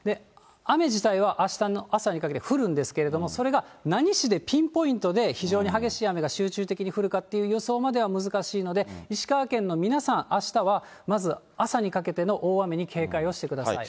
雨自体はあしたの朝にかけて降るんですけれども、それが何市でピンポイントで非常に激しい雨が集中的に降るかっていう予想までは難しいので、石川県の皆さん、あしたはまず、朝にかけての大雨に警戒をしてください。